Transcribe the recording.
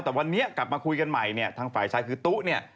แต่วันนี้กลับมาคุยกันใหม่ทางฝ่ายชายคือตุ๊ก